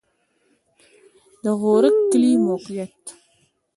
د غورک کلی موقعیت